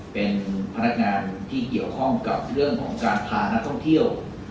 เป็นพนักงานที่เกี่ยวข้องกับเรื่องของการพานักท่องเที่ยว